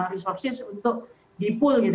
resursus untuk dipul